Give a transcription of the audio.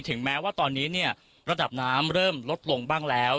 แม้ว่าตอนนี้เนี่ยระดับน้ำเริ่มลดลงบ้างแล้ว